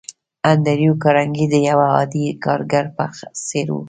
انډريو کارنګي د يوه عادي کارګر په څېر و.